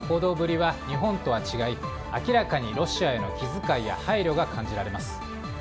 中国国内での報道ぶりは日本とは違い明らかにロシアへの気遣いや配慮が感じられます。